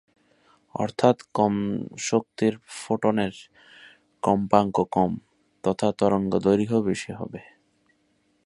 অর্থাৎ, কম শক্তির ফোটনের কম্পাঙ্ক কম তথা তরঙ্গ দৈর্ঘ্য বেশি হবে।